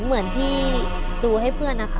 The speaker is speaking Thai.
เหมือนที่ดูให้เพื่อนนะคะ